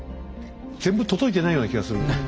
全部届いてないような気がする。